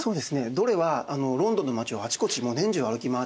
ドレはロンドンの街をあちこち年中歩き回ってですね